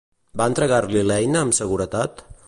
Va entregar-li l'eina amb seguretat?